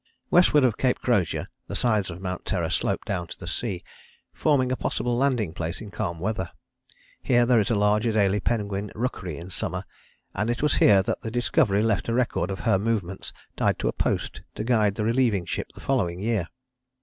" Westward of Cape Crozier the sides of Mount Terror slope down to the sea, forming a possible landing place in calm weather. Here there is a large Adélie penguin rookery in summer, and it was here that the Discovery left a record of her movements tied to a post to guide the relieving ship the following year.